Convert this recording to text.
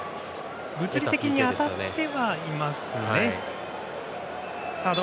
物理的に当たってはいますね。